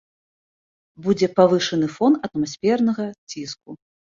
Будзе павышаны фон атмасфернага ціску.